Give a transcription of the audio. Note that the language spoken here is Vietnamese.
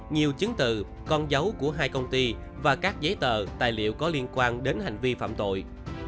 nhiều chứng từ con dấu của hai công ty và các giấy tờ tài liệu có liên quan đến hành vi phạm tội